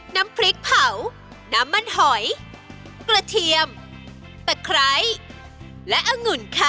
น้ำพริกเผาน้ำมันหอยกระเทียมตะไคร้และองุ่นค่ะ